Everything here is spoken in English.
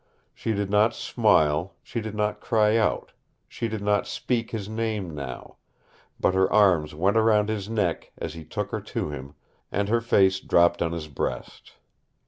She did not smile, she did not cry out, she did not speak his name now; but her arms went round his neck as he took her to him, and her face dropped on his breast.